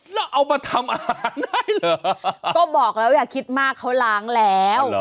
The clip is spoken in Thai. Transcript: แล้วเอามาทำอาหารได้เหรอก็บอกแล้วอย่าคิดมากเขาล้างแล้ว